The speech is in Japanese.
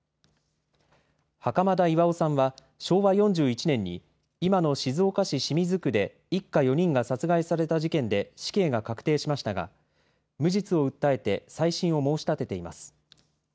袴田巌さんは、昭和４１年に、今の静岡市清水区で一家４人が殺害された事件で死刑が確定しましたが、無実を訴えて再審を申し立てています。